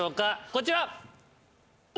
こちら。